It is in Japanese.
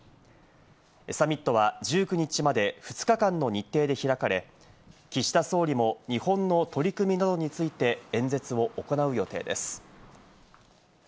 サミットは１９日まで２日間の日程で開かれ、岸田総理も日本の取り組みなどについて、演説を行う予定です。